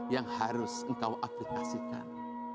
yang harus engkau aplikasikan